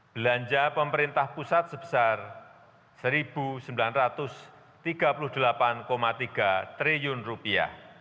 belanja pemerintah pusat sebesar rp satu sembilan ratus tiga puluh delapan tiga triliun rupiah